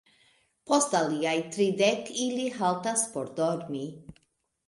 Post aliaj tridek ili haltas por dormi.